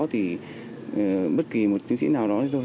thì bất kỳ một chính sĩ nào đó